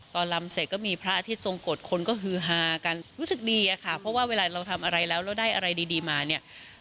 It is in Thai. ลำเสร็จก็มีพระอาทิตยทรงกฎคนก็ฮือฮากันรู้สึกดีอะค่ะเพราะว่าเวลาเราทำอะไรแล้วแล้วได้อะไรดีมาเนี่ย